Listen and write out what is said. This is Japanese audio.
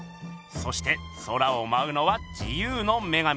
そして空をまうのは自由の女神。